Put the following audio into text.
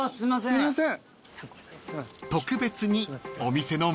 すいません